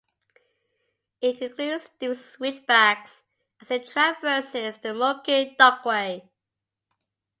It includes steep switchbacks as it traverses the Moki Dugway.